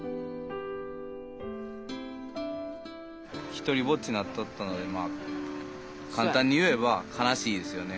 独りぼっちなっとったので簡単に言えば悲しいですよね。